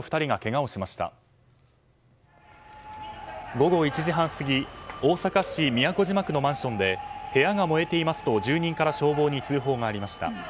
午後１時半過ぎ大阪市都島区のマンションで部屋が燃えていますと住人から消防に通報がありました。